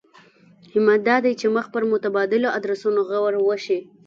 همت دا دی چې مخ پر متبادلو ادرسونو غور وشي.